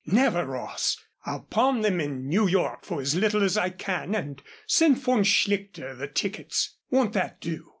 Never, Ross. I'll pawn them in New York for as little as I can and send von Schlichter the tickets. Won't that do?"